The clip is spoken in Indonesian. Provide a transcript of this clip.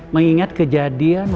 ketika saya tak bisa berjaga